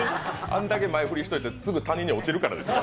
あんだけ前振りしておいて、すぐに谷に落ちるからですよ。